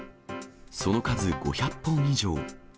その数５００本以上。